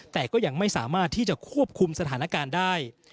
แต่ก็ยังไม่สามารถที่จะควบคุมสถานการณ์ได้